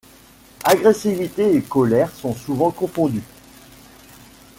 Agressivité et colère sont souvent confondues.